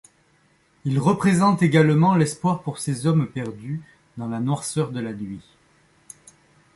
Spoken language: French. Il représente également l'espoir pour ces hommes perdus dans la noirceur de la nuit.